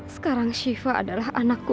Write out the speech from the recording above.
sekarang shiva adalah anakku